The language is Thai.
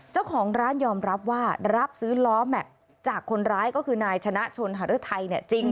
เจ้าของร้านยอมรับว่ารับซื้อล้อแม็กซ์จากคนร้ายก็คือนายชนะชนหารือไทยเนี่ยจริง